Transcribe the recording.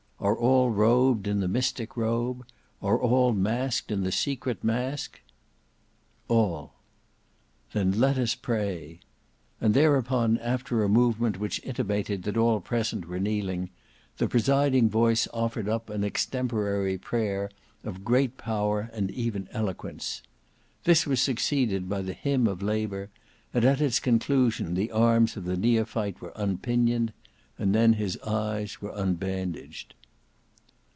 Are all robed in the mystic robe? Are all masked in the secret mask?" "All "Then let us pray!" And thereupon after a movement which intimated that all present were kneeling, the presiding voice offered up an extemporary prayer of great power and even eloquence. This was succeeded by the Hymn of Labour, and at its conclusion the arms of the neophyte were unpinioned, and then his eyes were unbandaged.